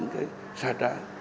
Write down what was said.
cái sai trái